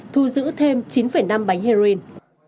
thu giữ thêm chín năm bánh heroin